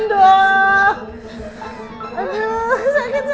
aduh sakit sakit banget ya